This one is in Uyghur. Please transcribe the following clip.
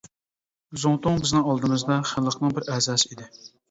زۇڭتۇڭ بىزنىڭ ئالدىمىزدا خەلقنىڭ بىر ئەزاسى ئىدى.